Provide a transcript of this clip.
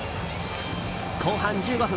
後半１５分